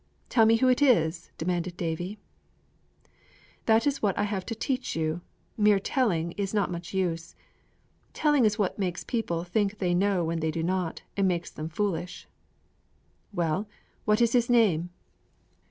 'Tell me who it is!' demanded Davie. 'That is what I have to teach you; mere telling is not much use. Telling is what makes people think they know when they do not, and makes them foolish.' 'Well, what is his name?'